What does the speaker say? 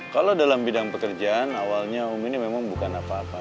kalau dalam bidang pekerjaan awalnya om ini memang bukan apa apa